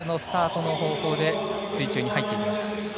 それぞれのスタートの方法で水中に入っていきました。